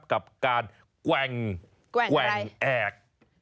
กับการแกว่งแอก